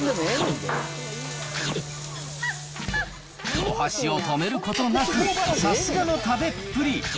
お箸を止めることなく、さすがの食べっぷり。